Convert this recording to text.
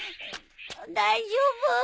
大丈夫？